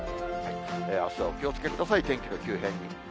あすはお気をつけください、天気の急変に。